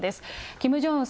キム・ジョンウン